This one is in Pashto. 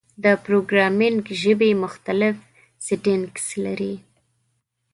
د پروګرامینګ ژبې مختلف سینټکس لري.